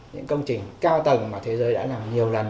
những công trình cao tầng mà thế giới đã làm nhiều lần